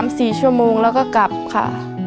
เวลาไปถอนก็จะไป๓๔ชั่วโมงแล้วก็กลับค่ะ